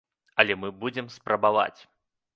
Але мы будзем спрабаваць.